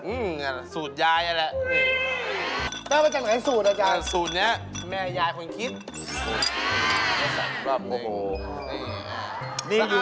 หูไม่ค่อยดีลูกยายหูไม่ค่อยดี